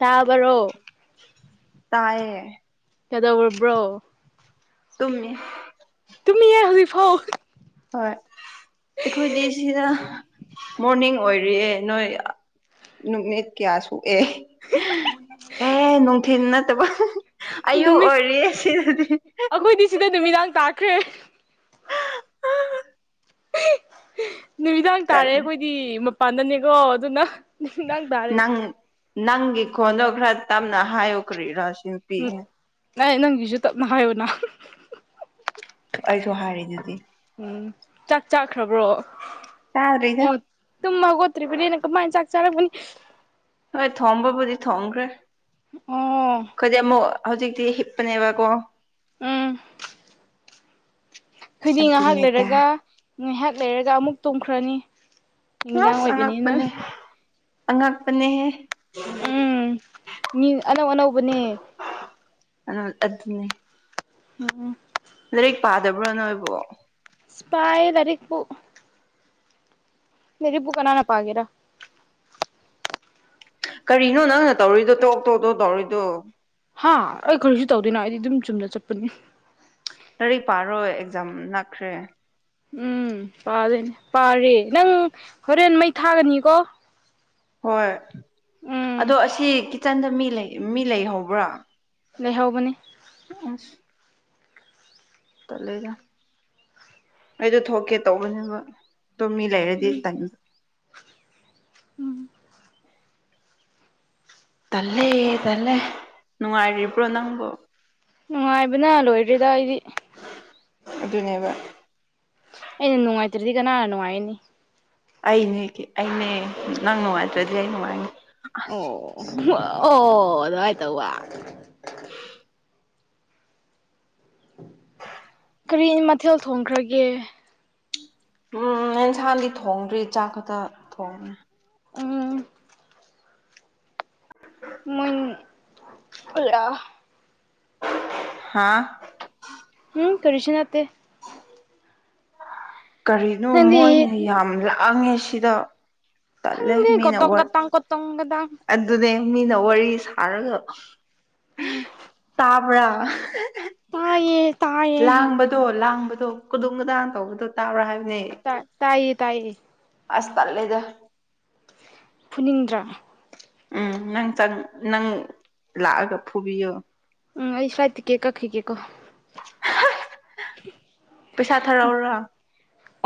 ꯇꯥꯕꯔꯣ ꯇꯌꯦ ꯀꯗꯧ ꯑꯣꯏꯔꯕ꯭ꯔꯣ꯫ ꯇꯨꯝꯃꯤ ꯇꯨꯃꯤ ꯌꯥ ꯍꯧꯖꯤꯛ ꯐꯥꯎ ꯍꯣꯏ ꯑꯩꯈꯣꯏꯗꯤ ꯁꯤꯗ ꯃꯣꯔꯅꯤꯡ ꯑꯣꯏꯔꯤꯑꯦ ꯅꯣꯏ ꯅꯨꯃꯤꯠ ꯀꯌꯥ ꯁꯣꯛꯑꯦ ꯑꯦ ꯅꯨꯡꯊꯤꯤꯟ ꯅꯠꯇꯕ ꯑꯌꯨꯛ ꯑꯣꯏꯔꯤꯌꯦ ꯁꯤꯗꯗꯤ ꯗꯤ ꯁꯤꯗ ꯅꯨꯃꯤꯗꯥꯡ ꯇꯥꯈ꯭ꯔꯦ ꯅꯨꯃꯤꯗꯥꯡ ꯇꯥꯔꯦ ꯇꯜꯂꯦ ꯑꯩꯈꯣꯏꯗꯤ ꯃꯄꯥꯟꯗꯅꯦꯀꯣ ꯑꯗꯨꯅ ꯅꯨꯃꯤꯗꯥꯡ ꯇꯥꯔꯦ ꯅꯪ ꯅꯪꯒꯤ ꯀꯣꯟꯗꯣ ꯈꯔ ꯇꯞꯅ ꯍꯥꯏꯌꯣꯛꯈ꯭ꯔꯤꯔꯥꯁꯤ ꯎꯝ ꯑꯩ ꯅꯪꯒꯤꯁꯨ ꯇꯞꯅ ꯍꯥꯏꯌꯨꯅ ꯑꯩꯁꯨ ꯍꯥꯏꯔꯤ ꯑꯗꯨꯗꯤ ꯎꯝ ꯆꯥꯛ ꯆꯥꯈ꯭ꯔꯕ꯭ꯔꯣ ꯆ꯭ꯔꯤ ꯇꯨꯝꯃ ꯈꯣꯠꯇ꯭ꯔꯤꯕꯅꯤꯅ ꯀꯃꯥꯏꯅ ꯆꯥꯛ ꯆꯥꯔꯛꯄꯅꯤ ꯍꯣꯏ ꯊꯣꯝꯕꯕꯨꯗꯤ ꯊꯣꯡꯈ꯭ꯔꯦ ꯑꯣ ꯎꯝ ꯑꯩꯈꯣꯏꯗꯤ ꯑꯃꯨꯛ ꯍꯧꯖꯤꯛꯇꯤ ꯍꯤꯞꯄꯅꯦꯕꯀꯣ ꯎꯝ ꯑꯩꯈꯣꯏꯗꯤ ꯉꯥꯏꯍꯥꯛ ꯑꯗꯨꯅꯦꯗ ꯂꯩꯔꯒ ꯉꯥꯏꯍꯥꯛ ꯂꯩꯔꯒ ꯑꯃꯨꯛ ꯇꯣꯡꯈ꯭ꯔꯅꯤ ꯑꯁ ꯑꯉꯛꯄꯅꯦ ꯑꯉꯛꯄꯅꯦꯍꯦ ꯎꯝ ꯃꯤ ꯑꯅꯧ ꯑꯅꯧꯕꯅꯦ ꯑ ꯑꯗꯨꯗꯅꯦ ꯎꯝ ꯂꯥꯏꯔꯤꯛ ꯄꯥꯗꯕ꯭ꯔꯣ ꯅꯣꯏꯕꯣ ꯏꯁꯄꯥꯏ ꯇꯔꯤꯈꯄꯨ ꯃꯦꯔꯤꯕꯨ ꯀꯅꯥꯅ ꯄꯥꯒꯦꯔꯥ ꯀꯔꯤꯅꯣ ꯅꯪꯅ ꯇꯧꯔꯤꯗꯣ ꯇꯣꯛ ꯇꯣꯛꯇꯣ ꯇꯧꯔꯤꯗꯣ ꯍꯥ ꯑꯩ ꯀꯔꯤꯁꯨ ꯇꯧꯗꯣꯏꯅꯣ ꯑꯩꯗꯤ ꯑꯗꯨꯝ ꯆꯨꯝꯅ ꯆꯠꯄꯅꯤ ꯂꯥꯏꯔꯤꯛ ꯄꯥꯔꯣꯏ ꯑꯦꯛꯖꯥꯝ ꯅꯛꯈ꯭ꯔꯦ ꯎꯝ ꯄꯥꯗꯣꯏꯅꯦ ꯄꯥꯔꯦ ꯅꯪ ꯍꯣꯔꯦꯟ ꯃꯩ ꯊꯥꯒꯅꯤꯀꯣ ꯍꯣꯏ ꯑꯗꯣ ꯎꯝ ꯑꯁꯤ ꯀꯤꯠꯆꯟꯗ ꯃꯤ ꯃꯤ ꯂꯩꯍꯧꯕ꯭ꯔꯥ ꯂꯩꯍꯕꯅꯦ ꯑ ꯇꯠꯂꯦꯗ ꯑꯩꯗꯣ ꯊꯣꯛꯀꯦ ꯇꯧꯕꯅꯦꯕ ꯑꯗꯨꯝ ꯃꯤ ꯂꯩꯔꯗꯤ ꯎꯝ ꯇꯥꯏꯅꯤꯡ ꯎꯝ ꯇꯜꯂꯦ ꯇꯜꯂꯦ ꯅꯨꯡꯉꯥꯏꯔꯤꯕ꯭ꯔꯣ ꯅꯪꯕꯨ ꯅꯨꯡꯉꯥꯏꯕꯅ ꯂꯣꯏꯔꯦꯗ ꯑꯩꯗꯤ ꯑꯗꯨꯅꯦꯕ ꯑꯩꯅ ꯅꯨꯡꯉꯥꯏꯇ꯭ꯔꯗꯤ ꯀꯅꯥꯅ ꯅꯨꯡꯉꯥꯏꯅꯤ ꯑꯩꯅꯦ ꯑꯩꯅꯦ ꯅꯪ ꯅꯨꯡꯉꯥꯏꯇ꯭ꯔꯗꯤ ꯑꯩ ꯅꯨꯡꯉꯥꯏꯉꯦ ꯑꯁ ꯑꯣ ꯑꯣ ꯑꯗꯨꯃꯥꯏ ꯇꯧꯕ ꯀꯔꯤꯅꯤ ꯃꯊꯦꯜ ꯊꯣꯡꯈ꯭ꯔꯒꯦ ꯎꯝ ꯑꯦꯟꯁꯥꯡꯗꯤ ꯊꯣꯡꯗ꯭ꯔꯤ ꯆꯥꯛ ꯈꯛꯇ ꯊꯣꯡꯉꯦ ꯎꯝ ꯃꯣꯢꯅꯨ ꯑꯂ ꯍꯥꯥ ꯎꯝ ꯀꯔꯤꯁꯨ ꯅꯠꯇꯦ ꯀꯔꯤꯅꯣ ꯅꯪꯗꯤ ꯃꯣꯏꯅ ꯌꯥꯝ ꯂꯥꯡꯉꯦ ꯁꯤꯗ ꯇꯜꯂꯦ ꯊꯪ ꯃꯤꯅ ꯀꯇꯣꯡ ꯋꯥ ꯀꯇꯪ ꯀꯇꯣꯡꯒꯗꯪ ꯑꯗꯨꯅꯦ ꯃꯤꯅ ꯋꯥꯔꯤ ꯁꯥꯔꯒ ꯎꯝ ꯭ꯔ ꯇꯥꯏꯌꯦ ꯇꯥꯏꯌꯦ ꯂꯥꯡꯕ ꯇꯣ ꯂꯥꯡꯕꯗꯣ ꯈꯨꯗꯣꯡ ꯈꯨꯗꯥꯡ ꯇꯧꯕꯗꯣ ꯇꯥꯕ꯭ꯔꯥ ꯍꯥꯏꯕꯅꯦ ꯇ ꯇꯥꯏꯌꯦ ꯇꯥꯏꯌꯦ ꯑꯁ ꯇꯂꯦꯗ ꯐꯨꯅꯤꯡꯗ꯭ꯔꯥ ꯎꯝ ꯅꯪ ꯅꯪ ꯂꯥꯛꯑꯒ ꯐꯨꯕꯤꯌꯣ ꯎꯝ ꯑꯩ ꯐ꯭ꯂꯥꯏꯠ ꯇꯤꯀꯦꯠ ꯀꯛꯈꯒꯦꯀꯣ ꯄꯩꯁꯥ ꯊꯥꯔꯛꯎꯔꯣ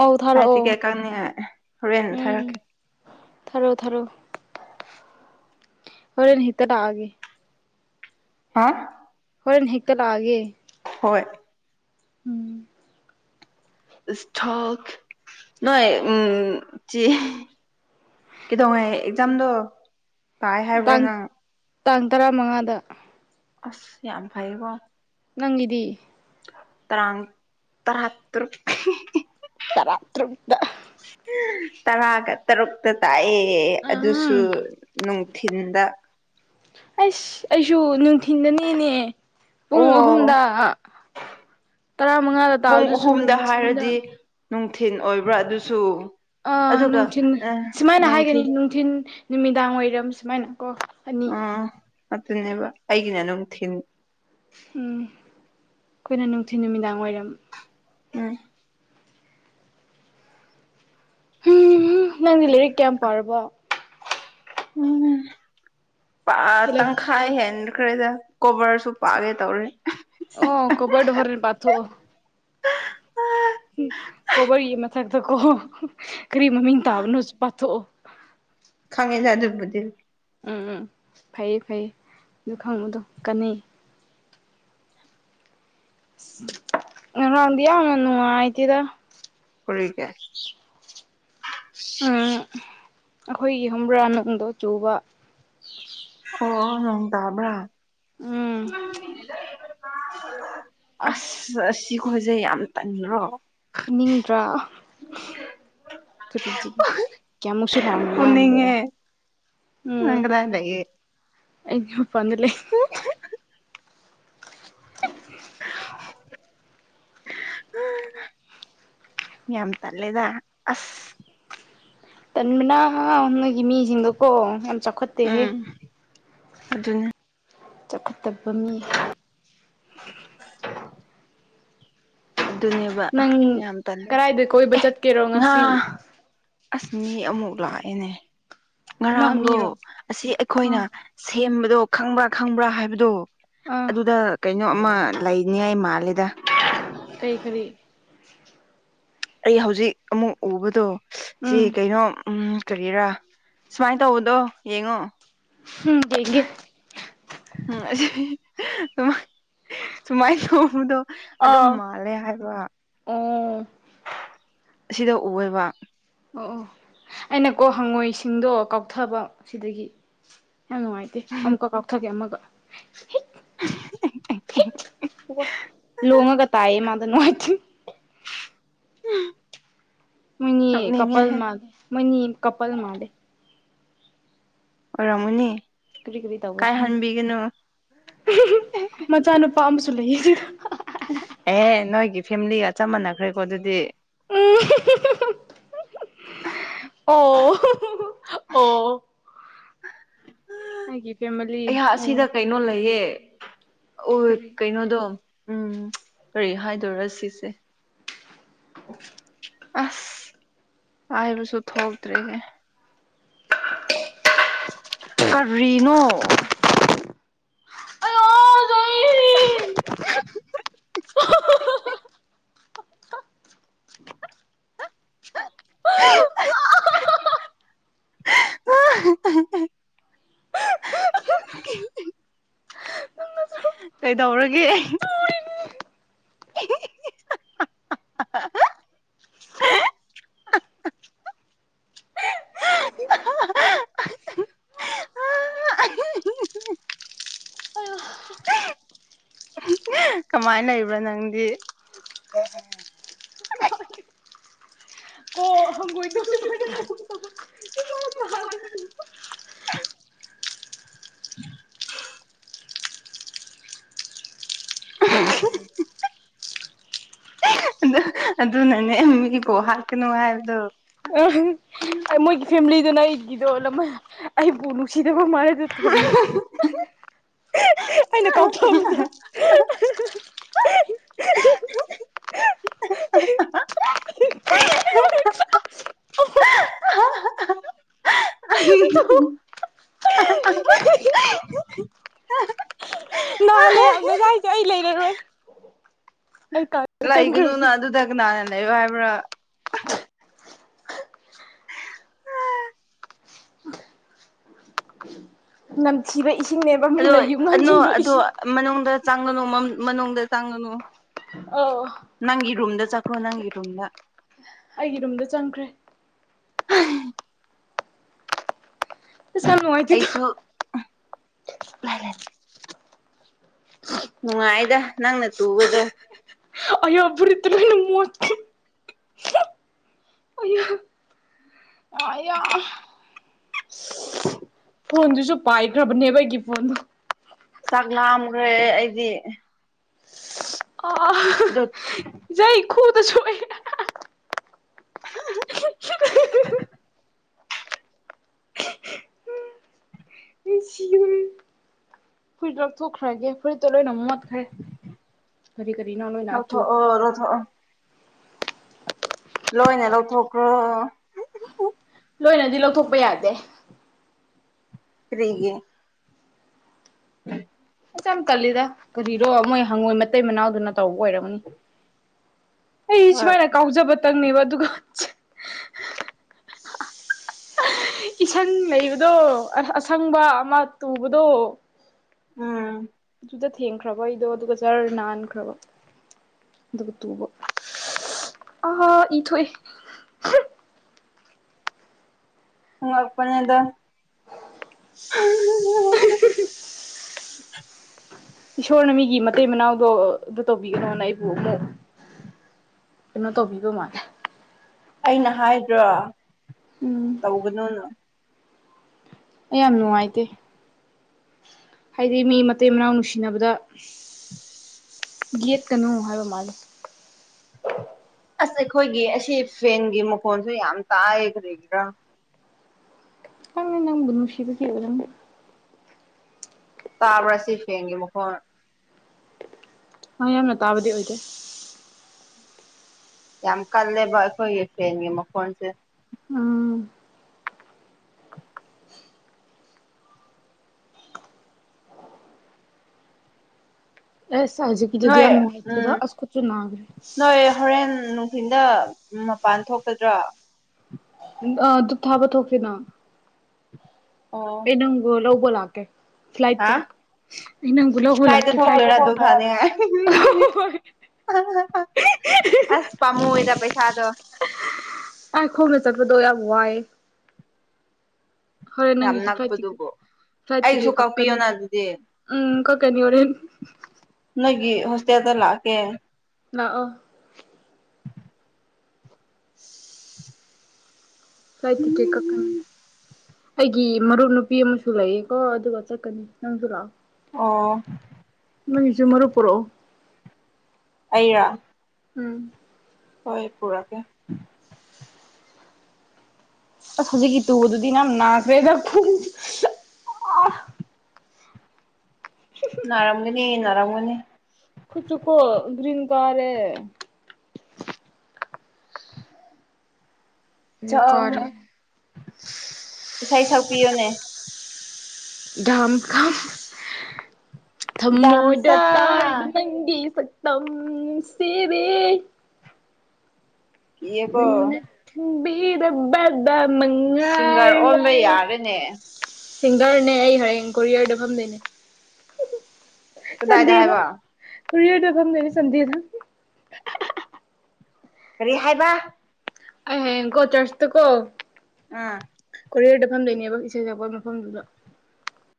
ꯑꯧ ꯐ꯭ꯂꯥꯏꯠ ꯊꯥꯔꯛꯑꯣ ꯇꯤꯀꯦꯠꯀꯛꯅꯦ ꯍꯣꯔꯦꯟ ꯊꯥꯔꯛꯀꯦ ꯊꯔꯣ ꯊꯔꯣ ꯍꯣꯔꯦꯟ ꯍꯦꯛꯇ ꯂꯥꯛꯑꯒꯦ ꯍꯥ ꯍꯣꯔꯦꯟ ꯍꯦꯛꯇ ꯂꯥꯛꯑꯒꯦ ꯍꯣꯏ ꯎꯝ ꯏꯁꯣꯛ ꯅꯣꯏ ꯎꯝ ꯆ ꯀꯩꯗꯧꯉꯦ ꯑꯦꯛꯖꯥꯝꯗꯣ ꯀꯥꯏ ꯍꯥꯏꯕ꯭ꯔꯥ ꯇꯥꯡ ꯅꯪ ꯇꯥꯡ ꯇꯔꯥꯃꯉꯥꯗ ꯑꯁ ꯌꯥꯝ ꯐꯩꯕꯣ ꯅꯪꯒꯤꯗꯤ ꯇꯥꯡ ꯇꯔꯥ ꯇꯔꯨꯛ ꯇꯔꯥꯇꯔꯨꯛꯇ ꯇꯔꯥꯒ ꯇꯔꯨꯛꯇ ꯇꯥꯢꯑꯦ ꯑꯗꯨꯁꯨ ꯎꯝ ꯊꯤꯟꯗ ꯑꯁ ꯑꯩꯁꯨ ꯅꯨꯡꯊꯤꯟꯗꯅꯦꯅꯦ ꯄꯨꯡ ꯑꯣ ꯑꯍꯨꯝꯗ ꯇꯔꯥ ꯃꯉꯥꯗ ꯄꯨꯡ ꯇꯥꯗꯁꯨ ꯑꯍꯨꯝꯗ ꯅꯨꯊꯤꯟꯗ ꯍꯥꯏꯔꯗꯤ ꯅꯨꯡꯊꯤꯟ ꯑꯣꯏ ꯑꯥ ꯅꯨꯡꯊꯤꯟ ꯑ ꯁꯨꯃꯥꯏꯅ ꯍꯥꯏꯒꯅꯤ ꯅꯨꯡꯊꯤꯟ ꯅꯨꯃꯤꯗꯥꯡ ꯋꯥꯏꯔꯝ ꯁꯨꯃꯥꯏꯅ ꯀꯣ ꯑꯅꯤ ꯑ ꯑꯗꯨꯅꯦꯕ ꯑꯩꯒꯤꯅ ꯑꯗꯨꯝ ꯊꯤꯟ ꯎꯝ ꯑꯩꯈꯣꯏꯅ ꯅꯨꯡꯊꯤꯟ ꯅꯨꯃꯤꯗꯥꯡ ꯋꯥꯏꯔꯝ ꯎꯝ ꯅꯪꯗꯤ ꯂꯥꯏꯔꯤꯛ ꯀꯌꯥꯝ ꯄꯥꯔꯕꯣ ꯎꯝ ꯑ ꯇꯪ ꯊꯥ ꯍꯦꯟꯈ꯭ꯔꯦꯗ ꯀꯣꯕꯔꯁꯨ ꯄꯥꯒꯦ ꯇꯧꯔꯦ ꯑꯣ ꯀꯣꯕꯔ ꯍꯣꯔꯅ ꯄꯊꯣ ꯀꯣꯕꯔꯒꯤ ꯃꯊꯛꯇ ꯀꯣ ꯀꯔꯤ ꯃꯃꯤꯡ ꯇꯥꯕꯅꯣ ꯄꯥꯊꯣꯛꯑꯣ ꯈꯪꯉꯩꯖꯗꯕꯨꯗꯤ ꯎꯝ ꯎꯝ ꯐꯩꯌꯦ ꯐꯩꯌꯦ ꯑꯗꯨ ꯈꯪꯕꯗꯣ ꯀꯟꯅꯩ ꯉ ꯍꯪꯌꯥꯅꯨꯡ ꯑꯥꯏꯇꯗ ꯀ ꯀꯦ ꯎꯝ ꯑꯩꯈꯣꯏꯒꯤ ꯍꯝꯕ꯭ꯔꯥ ꯅꯨꯡꯗꯣ ꯆꯨꯕ ꯑꯣ ꯅꯣꯡ ꯇꯥꯕ꯭ꯔꯥ ꯎꯝ ꯑꯁ ꯑꯁꯤ ꯈꯁꯩ ꯌꯥꯝ ꯇꯟꯈ꯭ꯔꯣ ꯅꯤꯡꯗ꯭ꯔꯥ ꯀꯌꯥꯃꯨꯛꯁꯨ ꯂꯥꯛꯑꯣꯅ ꯉꯥꯡꯕꯔꯣ ꯐꯨꯅꯤꯡꯉꯦ ꯅꯪ ꯀꯗꯥꯏ ꯂꯩꯌꯦ ꯎꯝ ꯏꯄꯝ ꯂꯩ ꯌꯥꯝ ꯇꯜꯂꯦꯗ ꯑꯁ ꯇꯟꯕꯅ ꯅꯣꯏꯒꯤ ꯃꯤꯁꯤꯡꯗꯨꯣꯀꯣ ꯌꯥꯝ ꯆꯥꯎꯈꯠ ꯎꯝ ꯑꯗꯨꯅꯦ ꯆꯥꯎꯈꯠꯇꯕ ꯃꯤ ꯑꯗꯨꯅꯦꯕ ꯅꯪ ꯌꯥꯝ ꯇꯜꯂ ꯀꯗꯥꯏꯗ ꯀꯣꯏꯕ ꯑꯦ ꯆꯠꯀꯦꯔꯣ ꯉꯥ ꯉꯁꯤ ꯑꯁ ꯃꯤ ꯑꯃꯨꯛ ꯂꯥꯛꯑꯦꯅꯦ ꯀꯅꯥ ꯉꯔꯥꯡꯗꯣ ꯃꯤꯔꯣ ꯑꯁꯤ ꯑꯩꯈꯣꯏꯅ ꯑꯥ ꯁꯦꯝꯕꯗꯣ ꯈꯪꯕ꯭ꯔꯥ ꯈꯪꯕ꯭ꯔꯥ ꯍꯥꯏꯕꯗꯣ ꯑꯥ ꯑꯗꯨꯗ ꯀꯩꯅꯣ ꯑꯃ ꯂꯩꯅꯤꯉꯥꯏ ꯃꯥꯜꯂꯤꯗ ꯀꯔꯤ ꯀꯔꯤ ꯑꯩ ꯍꯧꯖꯤꯛ ꯑꯃꯨꯛ ꯎꯕꯗꯣ ꯁꯤ ꯎꯝ ꯀꯩꯅꯣ ꯀꯔꯤꯔꯥ ꯁꯨꯃꯥꯏꯅ ꯇꯧꯕꯗꯣ ꯌꯦꯡꯉꯣ ꯎꯝ ꯌꯦꯡꯒꯦ ꯎꯝ ꯑꯁꯤ ꯁ ꯁꯨꯃꯥꯏꯅ ꯊꯣꯡꯕꯗꯣ ꯑꯗꯨꯝ ꯑꯥ ꯑꯣ ꯃꯥꯜꯂꯦ ꯍꯥꯏꯕ ꯑꯣ ꯑꯁꯤꯗ ꯎꯑꯕ ꯑꯣ ꯑꯣ ꯑꯩꯅꯀꯣ ꯍꯪꯉꯣꯏꯁꯤꯡꯗꯣ ꯀꯥꯎꯊꯕ ꯁꯤꯗꯒꯤ ꯌꯥꯝꯪ ꯃꯥꯥꯏꯇ ꯑꯀ ꯀ ꯑꯣꯈꯒꯤꯦ ꯑꯃꯒ ꯂꯣꯡꯉꯒ ꯇꯥꯏꯌꯦ ꯃꯥꯗ ꯅꯨꯡꯉꯥꯏꯇꯤꯡ ꯃꯅꯤ ꯀꯄꯥꯜ ꯅꯣꯛꯅꯤꯡꯉꯦꯍꯦ ꯃꯥꯂꯦ ꯃꯅꯤ ꯀꯄꯜ ꯃꯥꯂꯦ ꯑꯣ ꯔꯃꯅꯤ ꯀꯔꯤ ꯀꯔꯤ ꯇꯧꯕꯁꯨ ꯃꯆꯥꯅꯨꯄꯥ ꯑꯃꯁꯨ ꯂꯩꯌꯦ ꯁꯤꯗ ꯑꯦꯍ ꯅꯣꯏꯒꯤ ꯐꯦꯃꯤꯂꯤꯒ ꯆ ꯃꯥꯟꯅꯈ꯭ꯔꯦꯀꯣ ꯑꯗꯨꯗꯤ ꯎꯝ ꯑꯣ ꯑꯣ ꯑꯩꯒꯤ ꯐꯦꯃꯤꯂꯤ ꯑꯩꯍꯥꯛ ꯑꯁꯤꯗ ꯑꯣ ꯀꯩꯅꯣ ꯂꯩꯌꯦ ꯎ ꯀꯔꯤ ꯀꯩꯅꯣꯗꯣ ꯎꯝ ꯀꯔꯤ ꯍꯥꯏꯗꯣꯏꯔ ꯁꯤꯁꯦ [inaudible] ꯑꯁ ꯍꯥꯏꯕ ꯁꯨ ꯊꯣꯛꯇ꯭ꯔꯦ ꯍꯦ ꯀꯔꯤꯅꯣ [unintelligible] ꯍ [unintelligible] ꯀꯩꯗꯧꯔꯒꯦ [unintelligible] [unintelligible] [unintelligible] ꯀꯃꯥꯏꯅ ꯂꯩꯕ꯭ꯔꯥ ꯅꯪꯗꯤ ꯑꯣ ꯍꯪꯒꯣꯏꯅꯣ ꯁꯤ [unintelligible] ꯑꯗꯨ ꯑꯗꯨꯅꯅꯦ ꯃꯤꯕꯨꯣ ꯍꯥꯀꯅꯨ ꯍꯥꯏꯕꯗꯣ ꯎ ꯑꯩ ꯃꯣꯏꯒꯤ ꯐꯦꯃꯤꯂꯤꯗꯨꯅ ꯑꯩꯒꯤꯗꯣ ꯑꯩꯕꯨ ꯅꯨꯡꯁꯤꯗꯕ ꯃꯗ ꯊꯣꯟꯕ ꯑꯩꯅ ꯀꯥꯎꯊꯣꯛꯑꯕꯗꯣ ꯅꯖꯥꯏ ꯖꯦ ꯑꯩ ꯂꯩꯔꯔꯣꯏ ꯑꯩ ꯀꯥꯗ ꯂꯩꯒꯅꯨꯅ ꯆꯪꯈ꯭ꯔꯒꯦ ꯑꯗꯨꯗ ꯀꯅꯥꯅ ꯂꯩꯌꯣ ꯍꯥꯏꯕ꯭ꯔꯥ ꯅꯝꯊꯤꯕ ꯏꯁꯤꯡꯅꯦꯕ ꯑꯗꯣ ꯃꯤꯅ ꯌꯨꯡ ꯑꯅꯣ ꯍꯥꯟꯖꯤꯟꯕ ꯑꯗꯣ ꯏꯁꯤꯡ ꯃꯅꯨꯡꯗ ꯆꯪꯒꯅꯨ ꯃꯅꯨꯡꯗ ꯆꯪꯒꯅꯨ ꯑꯣ ꯅꯪꯒꯤ ꯔꯨꯝꯗ ꯆꯠꯈ꯭ꯔꯣ ꯅꯪꯒꯤ ꯔꯨꯝꯗ ꯑꯩꯒꯤ ꯔꯨꯝꯗ ꯆꯪꯈ꯭ꯔꯦ ꯏꯁ ꯌꯥꯝ ꯅꯨꯡꯉꯥꯏ ꯑꯩꯁꯨ ꯅꯨꯡꯉꯥꯏꯗ ꯅꯪꯅ ꯇꯨꯕꯗꯣ ꯑꯌꯥ ꯐꯨꯔꯤꯠꯇꯨ ꯂꯣꯏꯅ ꯃꯣꯠ ꯑꯣ ꯑꯌꯥ ꯐꯣꯟꯗꯨꯁꯨ ꯄꯥꯏꯗ꯭ꯔꯕꯅꯦꯕ ꯑꯩꯒꯤ ꯐꯣꯟꯗꯨ ꯆꯛ ꯂꯥꯝꯒ꯭ꯔꯦ ꯑꯩꯗꯤ ꯑꯣ ꯑꯣ ꯗꯠ ꯑꯩ ꯈꯨꯗ ꯁꯣꯛ ꯑꯦ ꯐꯨꯔꯤꯠꯇ ꯂꯧꯊꯣꯛꯈ꯭ꯔꯒꯦ ꯐꯨꯔꯤꯠꯇꯣ ꯂꯣꯏꯅ ꯃꯣꯠꯈ꯭ꯔꯦ ꯀꯔꯤ ꯀꯔꯤꯅꯣ ꯂꯣꯏꯅꯆꯨꯈ꯭ꯔꯦ ꯆꯂꯣ ꯊꯛꯑꯣ ꯂꯣꯏꯅ ꯂꯧꯊꯣꯛꯈ꯭ꯔꯣ ꯂꯣꯏꯅꯗꯤ ꯂꯧꯊꯣꯛꯄ ꯌꯥꯗꯦ ꯀꯔꯤꯒꯤ ꯎꯝ ꯌꯥꯝ ꯇꯜꯂꯤꯗ ꯀꯔꯤꯔꯣ ꯃꯣꯏ ꯍꯪꯉꯣꯏ ꯃꯇꯩ ꯃꯅꯥꯎꯗꯨꯅ ꯇꯧꯕ ꯑꯣꯏꯔꯝꯅꯤ ꯑꯩ ꯍꯣꯏ ꯁꯨꯃꯥꯏꯅ ꯀꯥꯎꯖꯕꯇꯪꯅꯦꯕ ꯑꯗꯨꯒ ꯏꯁꯪ ꯂꯩꯕꯗꯣ ꯑꯁꯪꯕ ꯑꯃ ꯇꯨꯕꯗꯣ ꯎꯝ ꯑꯗꯨꯨ ꯊꯦꯡꯈ꯭ꯔꯕ ꯑꯩꯗꯣ ꯑꯗꯨꯒ ꯖꯔ ꯅꯥꯟꯈ꯭ꯔꯕ ꯑꯗꯨꯒ ꯇꯨꯕ ꯑ ꯏꯊꯣꯏ ꯃꯉꯄꯅꯤꯗ ꯏꯁꯣꯔꯅ ꯃꯤꯒꯤ ꯃꯇꯩ ꯃꯅꯥꯎꯗꯣ ꯑꯗꯨ ꯇꯧꯕꯤꯒꯅꯣꯅ ꯑꯩꯕꯨ ꯑꯃꯨꯛ ꯀꯩꯅꯣ ꯇꯧꯕꯤꯗꯧ ꯃꯥꯜꯂꯦ ꯑꯩꯅ ꯍꯥꯏꯗ꯭ꯔꯣ ꯎꯝ ꯇꯧꯒꯅꯨꯅ ꯑꯩ ꯌꯥꯝ ꯅꯨꯡꯉꯥꯏꯇꯦ ꯍꯥꯏꯗꯤ ꯃꯤ ꯃꯇꯩ ꯃꯅꯥꯎ ꯅꯨꯡꯁꯤꯅꯕꯗ ꯌꯦꯠꯀꯅꯨ ꯍꯥꯏꯕ ꯃꯥꯜꯂꯦ ꯑꯁ ꯑꯩꯈꯣꯏꯒꯤ ꯑꯁꯤ ꯐꯦꯟꯒꯤ ꯃꯈꯣꯟꯁꯨ ꯌꯥꯝ ꯇꯥꯏ ꯀꯔꯤꯒꯤꯔꯥ ꯈꯪꯗꯦ ꯅꯪꯕꯨ ꯅꯨꯡꯁꯤꯕ ꯀꯦꯕ ꯅꯪ ꯇꯥꯕ꯭ꯔꯥ ꯁꯤ ꯐꯦꯡꯒꯦ ꯃꯈꯣꯟ ꯑꯣꯏ ꯌꯥꯝꯅ ꯇꯥꯕꯗꯤ ꯑꯣꯏꯗꯦ ꯌꯥꯝ ꯀꯜꯂꯦꯕ ꯑꯩꯈꯣꯏꯒꯤ ꯐꯦꯟꯒꯤ ꯃꯈꯣꯟꯁꯦ ꯎꯝ ꯑꯦꯁ ꯍꯧꯖꯤꯛꯒꯤꯗꯨꯗꯤ ꯅꯣꯏ ꯌꯥꯝ ꯅꯨꯡꯉꯥꯏꯇꯦꯗ ꯎꯝ ꯑꯁ ꯈꯨꯠꯁꯨ ꯅꯥꯔꯦ ꯅꯣꯏ ꯍꯣꯔꯦꯟ ꯅꯨꯡꯊꯤꯟꯗ ꯃꯄꯥꯟ ꯊꯣꯛꯀꯗ꯭ꯔꯥ ꯑ ꯗꯨꯛ ꯊꯥꯕ ꯊꯣꯛꯀꯦꯅꯣ ꯑꯣ ꯑꯩ ꯅꯪꯕꯨ ꯂꯧꯕ ꯂꯥꯛꯀꯦ ꯐ꯭ꯂꯥꯏꯠ ꯇ ꯍꯥ ꯑꯩ ꯅꯪꯕꯨ ꯂꯧꯕ ꯀꯥꯏꯗ ꯂꯥꯛꯀꯦ ꯐ꯭ꯂꯥꯏꯠ ꯊꯣꯛꯇꯣꯏꯔꯥ ꯑꯗꯨ ꯊꯥꯅꯤꯡꯉꯥꯏ ꯑꯁ ꯄꯥꯝꯃꯨꯏꯌꯦꯗ ꯄꯩꯁꯥꯗꯣ ꯑ ꯈꯣꯡꯅ ꯆꯠꯄꯗꯣ ꯌꯥꯝ ꯋꯥꯏꯌꯦ ꯍꯣꯢ ꯌꯥꯝ ꯅꯪꯒꯤꯁꯨ ꯐ꯭ꯂꯥꯏꯇꯤ ꯅꯛꯄꯗꯨꯕꯨ ꯐ꯭ꯂꯥꯏ ꯑꯩꯒꯤꯁꯨ ꯇꯤꯛꯀꯦꯠ ꯀꯛꯀꯅꯤ ꯀꯛꯄꯤꯌꯣꯅ ꯑꯗꯨꯗꯤ ꯎꯝ ꯀꯛꯀꯅꯤ ꯍꯨꯔꯦꯟ ꯅꯣꯏꯒꯤ ꯍꯣꯁꯇꯦꯜꯗ ꯂꯥꯛꯑꯒꯦ ꯂꯥꯛꯑꯣ [unintelligible] ꯐꯥꯢꯠ ꯇꯤꯀꯦꯠ ꯀꯛꯀꯅꯤ ꯑꯩꯒꯤ ꯃꯔꯨꯞ ꯅꯨꯄꯤ ꯑꯃꯁꯨ ꯂꯩꯌꯦ ꯀꯣ ꯑꯗꯨꯒ ꯆꯠꯀꯅꯤ ꯅꯪꯁꯨ ꯂꯥꯛꯑꯣ ꯑꯥꯎ ꯅꯣꯏꯃꯤꯁꯨꯃꯔ ꯄꯨꯔꯛꯣ ꯑꯩꯔꯣ ꯎꯝ ꯍꯣꯏ ꯄꯨꯔꯛꯒꯦ ꯑꯁ ꯍꯧꯖꯤꯛꯀꯤ ꯇꯨꯕꯗꯨꯗꯤ ꯌꯥꯝ ꯅꯥꯈ꯭ꯔꯦꯗ ꯈꯨꯠꯁꯨ ꯅꯥꯔꯝꯒꯅꯤ ꯅꯥꯔꯝꯒꯅꯤ ꯈꯨꯠꯁꯨꯒꯣ ꯒ꯭ꯔꯤꯟ ꯀꯔꯦ ꯑꯗꯨ ꯀꯔꯦ ꯢꯁꯩ ꯁꯛꯄꯤꯌꯣꯅꯦ ꯝ ꯀꯝ [inaudible] ꯊꯝꯃꯣꯏꯗ ꯗꯥꯝꯆꯥ ꯇꯥꯔꯤꯕ ꯅꯪꯒꯤ ꯁꯛꯇꯝ ꯅꯨꯡꯁꯤꯕꯤ ꯀꯤꯌꯦꯀꯣ ꯅꯪꯅ ꯈꯪꯕꯤꯗꯤꯗꯕ ꯁꯤꯡꯒꯔ ꯃꯉꯥꯢꯔꯦ ꯑꯣꯟꯕ ꯌꯥꯔꯦꯅꯦ ꯁꯤꯡꯒꯔꯅꯦ ꯑꯩ ꯍꯌꯦꯡ ꯀꯣꯔꯤꯌꯔꯗ ꯐꯝꯗꯣꯢꯅꯦ ꯀꯗꯥꯏꯗ ꯁꯟꯗꯦꯕ ꯍꯥꯏꯕ ꯀꯣꯔꯤꯋꯥꯔꯗ ꯐꯥꯝꯗꯣꯢꯅꯦ ꯀꯔꯤ ꯍꯥꯏꯕ ꯑꯩ ꯍꯌꯦꯡꯒꯣ ꯆꯥꯔꯇꯒꯣ ꯎꯝ ꯀꯣꯔꯤꯌꯔꯗ ꯐꯝ ꯂꯩꯅꯦꯕ ꯏꯁꯩ ꯁꯛꯄꯒꯤ ꯃꯐꯝꯗꯨꯗ